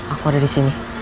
aku ada di sini